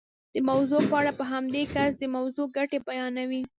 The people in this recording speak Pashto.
د موضوع په اړه په همدې کس د موضوع ګټې بیانوئ.